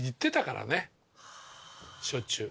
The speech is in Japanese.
しょっちゅう。